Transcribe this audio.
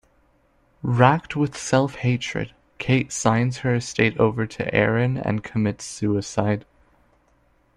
Wracked with self-hatred, Kate signs her estate over to Aron and commits suicide.